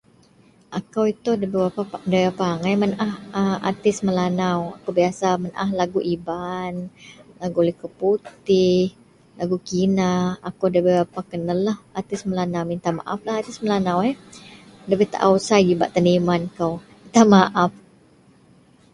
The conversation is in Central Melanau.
akou itou da bei brapa debei berapa agai menaah a artis melanau, biasa menaah lagu iban, lagu liko putih, lagu kina, akou da berapa kenellah artis melanau mintak maaflah artis melanau yeh, dabei taao sai ji bak teniman kou, minta maaf